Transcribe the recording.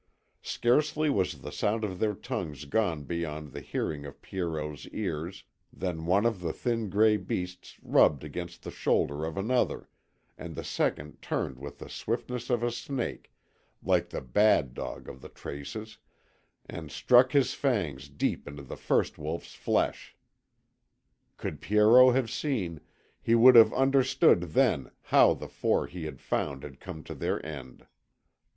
Scarcely was the sound of their tongues gone beyond the hearing of Pierrot's ears than one of the thin gray beasts rubbed against the shoulder of another, and the second turned with the swiftness of a snake, like the "bad" dog of the traces, and struck his fangs deep into the first wolf's flesh. Could Pierrot have seen, he would have understood then how the four he had found had come to their end.